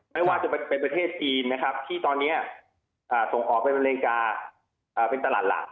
ไม่ว่าจะเป็นประเทศจีนที่ตอนนี้ส่งออกเป็นรายการเป็นตลาดหลัก